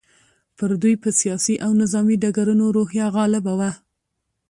پر دوی په سیاسي او نظامي ډګرونو روحیه غالبه وه.